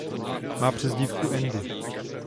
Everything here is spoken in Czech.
Má přezdívku Andy.